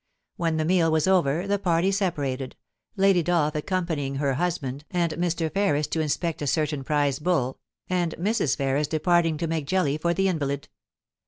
When the meal was over, the party separated, Lady Dolph accompanying her husband and Mr. Ferris to inspect a certain prize bull, and Mrs. Ferris departing to make jelly for the invalid.